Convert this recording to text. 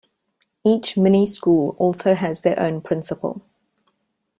Each mini school also has their own Principal.